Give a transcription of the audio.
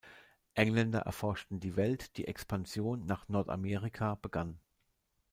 Engländer erforschten die Welt, die Expansion nach Nordamerika begann.